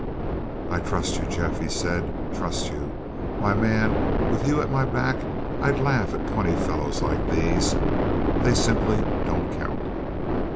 "I'll trust you, Jeff," he said. "Trust you? Why, man, with you at my back I'd laugh at twenty fellows like these. They simply don't count."